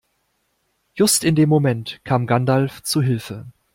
Just in dem Moment kam Gandalf zu Hilfe.